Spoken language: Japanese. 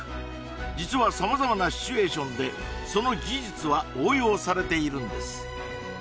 実はさまざまなシチュエーションでその技術は応用されているんです